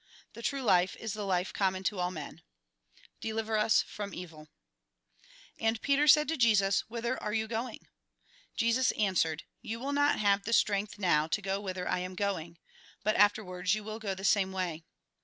The true life is the life common to all men ("Deliver us from evil") And Peter said to Jesus :" Whither are you going ?" Jesus answered :" You will not have the strength now to go whither I am going ; but after wards you will go the same way."